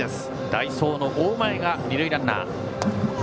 代走の大前が二塁ランナー。